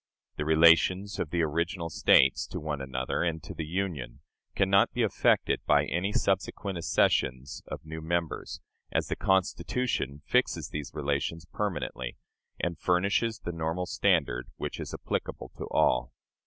The relations of the original States to one another and to the Union can not be affected by any subsequent accessions of new members, as the Constitution fixes those relations permanently, and furnishes the normal standard which is applicable to all.